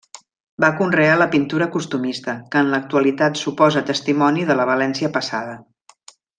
Va conrear la pintura costumista, que en l'actualitat suposa testimoni de la València passada.